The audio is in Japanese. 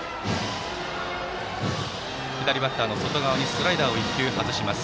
左バッターの外側にスライダーを１球外します。